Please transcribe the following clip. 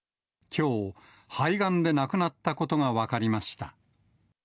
きょう、肺がんで亡くなったことが分かりました。